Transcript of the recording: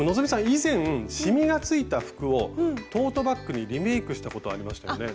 以前しみがついた服をトートバッグにリメークしたことありましたよね？